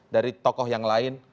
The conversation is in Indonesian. dari tokoh yang lain